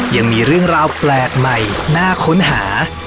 ยังมีเรื่องราวแปลกใหม่น่าค้นหา